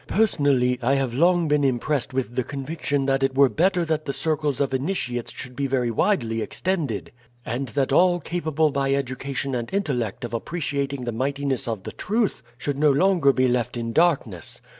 Personally, I have long been impressed with the conviction that it were better that the circles of initiates should be very widely extended, and that all capable by education and intellect of appreciating the mightiness of the truth should no longer be left in darkness.